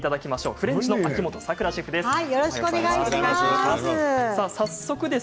フレンチの秋元さくらシェフです。